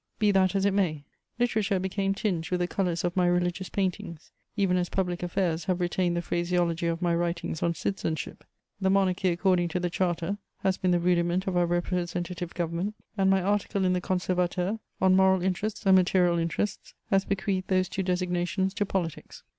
Be that as it may, literature became tinged with the colours of my religious paintings, even as public affairs have retained the phraseology of my writings on citizenship: the Monarchy according to the Charter has been the rudiment of our representative government, and my article in the Conservateur, on "Moral Interests and Material Interests," has bequeathed those two designations to politics.